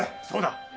そうだ！